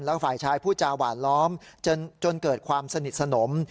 แล้วฝ่ายชายพูดจาหวานล้อมจนเกิดความสนิทสนม